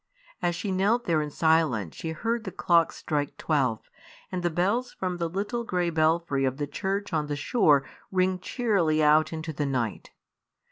As she knelt there in silence she heard the clock strike twelve, and the bells from the little grey belfry of the church on the shore ring cheerily out into the night.